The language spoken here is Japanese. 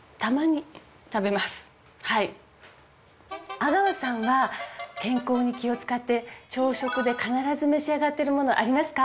阿川さんが健康に気を使って朝食で必ず召し上がってるものありますか？